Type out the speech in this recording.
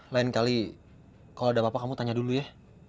lain kali kalau ada bapak kamu tanya dulu ya